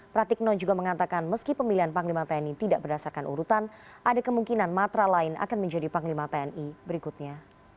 pratikno juga mengatakan meski pemilihan panglima tni tidak berdasarkan urutan ada kemungkinan matra lain akan menjadi panglima tni berikutnya